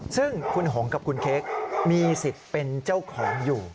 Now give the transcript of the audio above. ซึ่งคุณหงกับคุณเค้กมีสิทธิ์เป็นเจ้าของอยู่